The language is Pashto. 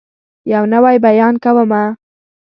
يو نوی بيان کومه